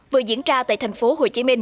vừa diễn ra tại tp hcm